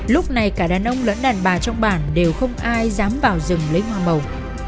lúc này cả đàn ông lẫn đàn bà trong bản đều không ai dám vào rừng lấy hoa màu